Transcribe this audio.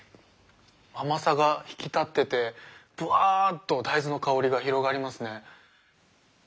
甘さが引き立っててぶわっと大豆の香りが広がりますね。